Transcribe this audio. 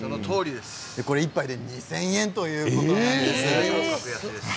これ１杯で２０００円ということです。